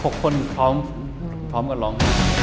๖คนพร้อมกันร้อง